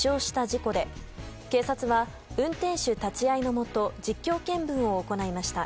事故で警察は運転手立ち会いのもと実況見分を行いました。